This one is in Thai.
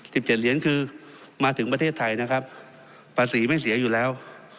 เจ็ดเหรียญคือมาถึงประเทศไทยนะครับภาษีไม่เสียอยู่แล้ว